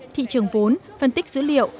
thị trường vốn phân tích dữ liệu